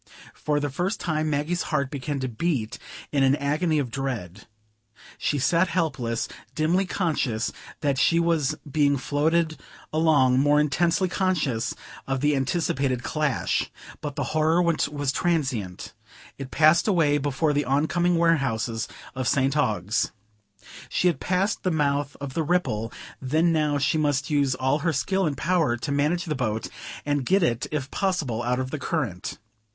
For the first time Maggie's heart began to beat in an agony of dread. She sat helpless, dimly conscious that she was being floated along, more intensely conscious of the anticipated clash. But the horror was transient; it passed away before the oncoming warehouses of St Ogg's. She had passed the mouth of the Ripple, then; now, she must use all her skill and power to manage the boat and get it if possible out of the current.